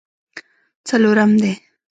څلورم دی.